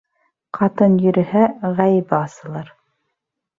Ҡатын йөрөһә, ғәйебе асылыр.